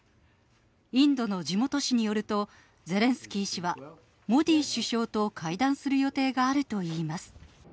インドの地元紙によると、ゼレンスキー氏は、モディ首相と会談する予定があるといいます。